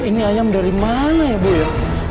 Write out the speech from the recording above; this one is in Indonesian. ini ayam dari mana ya bu ya